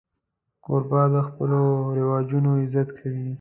کوربه د خپلو رواجونو عزت کوي.